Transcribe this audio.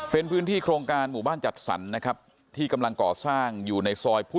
เป็นพื้นที่โครงการหมู่บ้านจัดสรรนะครับที่กำลังก่อสร้างอยู่ในซอยผู้